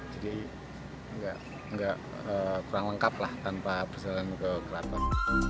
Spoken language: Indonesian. jadi tidak kurang lengkap tanpa persoalan ke keraton